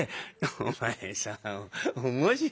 「お前さん面白いね。